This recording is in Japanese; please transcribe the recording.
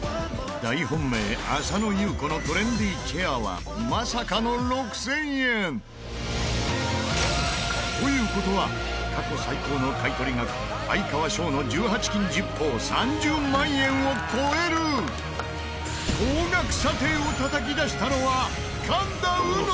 大本命浅野ゆう子のトレンディーチェアはまさかの６０００円！という事は過去最高の買取額哀川翔の１８金ジッポー３０万円を超える高額査定をたたき出したのは神田うの！